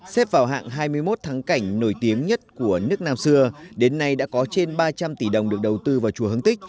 xếp vào hạng hai mươi một thắng cảnh nổi tiếng nhất của nước nam xưa đến nay đã có trên ba trăm linh tỷ đồng được đầu tư vào chùa hương tích